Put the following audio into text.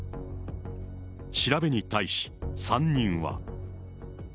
調べに対し３人は。